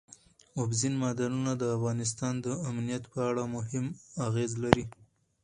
اوبزین معدنونه د افغانستان د امنیت په اړه هم اغېز لري.